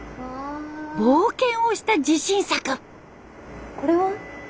冒険をした自信作。